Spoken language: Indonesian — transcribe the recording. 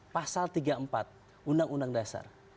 pasal tiga puluh empat undang undang dasar